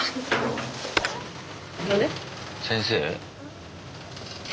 先生？